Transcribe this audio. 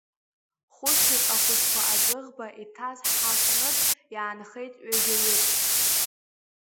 Хышәҩык ахәыҷқәа адәыӷба иҭаз ҳаҟнытә иаанхеит жәаҩа-ҩык.